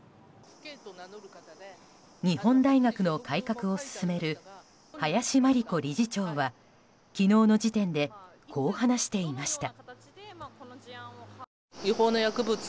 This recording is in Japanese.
日本大学の改革を進める林真理子理事長は昨日の時点でこう話していました。